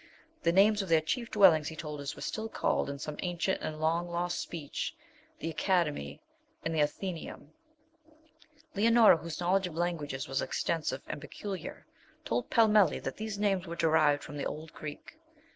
The names of their chief dwellings, he told us, were still called, in some ancient and long lost speech, 'The Academy,' and 'The Athenæum.' Leonora, whose knowledge of languages was extensive and peculiar, told Pellmelli that these names were derived from the old Greek.